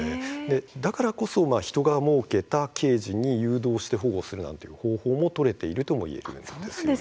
だからこそ人が設けたケージに誘導して保護するなんていう方法も取れているとも言えるんです。